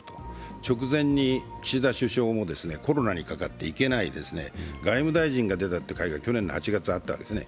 直前に岸田首相もコロナにかかって行けないで外務大臣が出たと書いてあるのが去年の８月にあったわけですね。